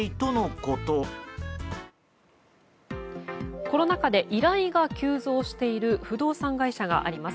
コロナ禍で依頼が急増している不動産会社があります。